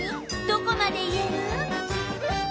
どこまで言える？